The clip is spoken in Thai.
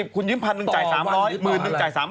คุณยืมร้อยหนึ่งคุณจ่าย๓๐